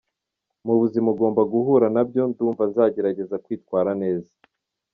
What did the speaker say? mu buzima ugomba guhura nabyo , ndumva nzagerageza kwitwara neza”.